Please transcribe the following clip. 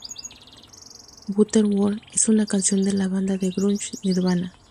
Butterworth es una canción de la banda de grunge Nirvana.